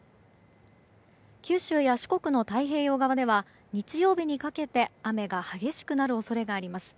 九州や四国の太平洋側では日曜日にかけて雨が激しくなる恐れがあります。